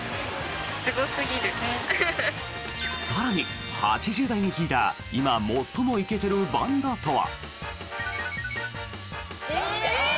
更に、８０代に聞いた今、最もイケてるバンドとは？